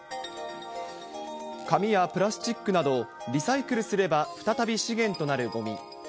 紙やプラスチックなど、リサイクルすれば再び資源となるごみ。